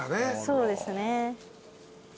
そうですね。